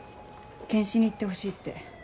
検視に行ってほしいって。